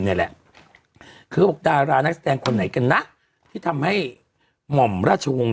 นี่แหละคือเขาบอกดารานักแสดงคนไหนกันนะที่ทำให้หม่อมราชวงศ์